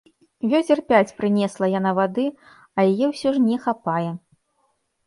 Вёдзер пяць прынесла яна вады, а яе ўсё ж не хапае.